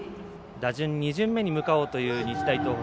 打順２巡目に向かおうという日大東北。